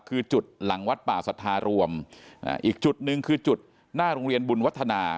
คือจุดหลังวัดป่าสัทธารวมอ่าอีกจุดหนึ่งคือจุดหน้าโรงเรียนบุญวัฒนา